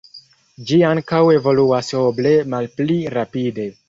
Ĝi ankaŭ evoluas oble malpli rapide.